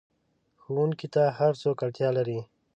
ښوونځی ته هر څوک اړتیا لري